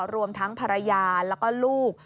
รวมทั้งภรรยาแล้วก็ลูก